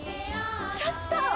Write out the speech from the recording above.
ちょっと。